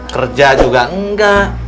kerja juga enggak